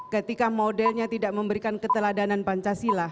ketika modelnya tidak memberikan keteladanan pancasila